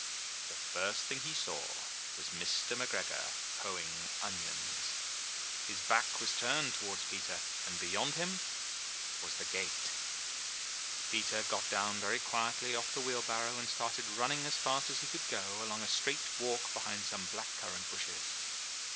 The first thing he saw was Mr. McGregor hoeing onions. His back was turned towards Peter and 190 IN THE NURSERY beyond him was the gate ! Peter got down very quietly off the wheelbarrow and started running as fast as he could go along a straight walk behind some black currant bushes.